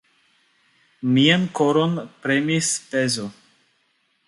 Mian koron premis pezo.